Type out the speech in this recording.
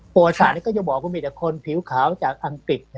ประสาทก็จะบอกว่ามีแต่คนผิวขาวจากอังกฤษ